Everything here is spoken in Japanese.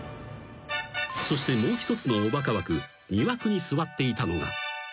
［そしてもう一つのおバカ枠２枠に座っていたのが］